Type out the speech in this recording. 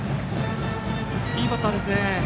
いいバッターですね。